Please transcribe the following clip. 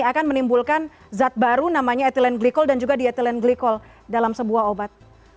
akan menimbulkan zat baru namanya ethylene glycol dan juga di ethylene glycol dalam sebuah obat